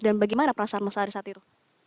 dan bagaimana perasaan mas ari saat itu